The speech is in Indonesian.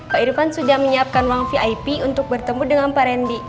pak irfan sudah menyiapkan uang vip untuk bertemu dengan pak randy